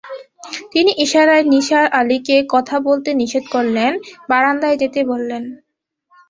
তিনি ইশারায় নিসার আলিকে কথা বলতে নিষেধ করলেন, বারান্দায় যেতে বললেন।